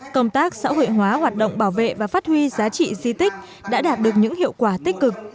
công tác xã hội hóa hoạt động bảo vệ và phát huy giá trị di tích đã đạt được những hiệu quả tích cực